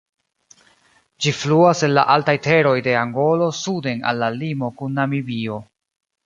Ĝi fluas el la altaj teroj de Angolo suden al la limo kun Namibio.